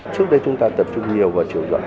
trước đây chúng ta tập trung nhiều vào chiều rộng